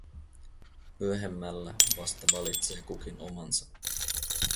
Myöhemmällä vasta valitsee kukin omansa.